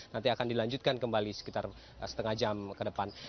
nanti akan dilanjutkan kembali sekitar setengah jam ke depan